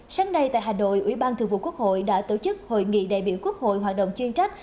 sáng nay tại hà nội ủy ban thường vụ quốc hội đã tổ chức hội nghị đại biểu quốc hội hoạt động chuyên trách